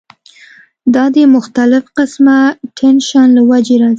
دا د مختلف قسمه ټېنشن له وجې راځی